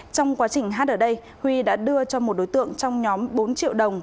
trong quá trình hát ở đây huy đã đưa cho một đối tượng trong nhóm bốn triệu đồng